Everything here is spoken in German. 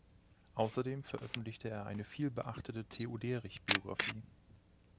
Außerdem veröffentlichte er eine vielbeachtete Theoderich-Biografie.